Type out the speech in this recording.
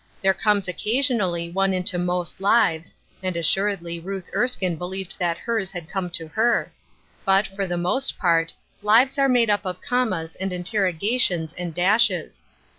There comes occasionally one into most lives (and as suredly Ruth Erskine believed that hers had come to her) ; but, for the most part, lives are made up of commas and interrogations and dashes.